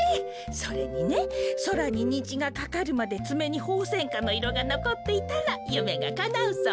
それにねそらににじがかかるまでつめにホウセンカのいろがのこっていたらゆめがかなうそうよ。